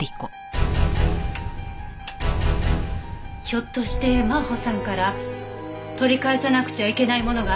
ひょっとして真帆さんから取り返さなくちゃいけないものがあったんじゃないんですか？